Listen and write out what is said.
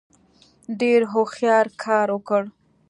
ډېر هوښیار کار وکړ.